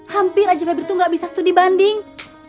hampir aja baby itu gak bisa studi banding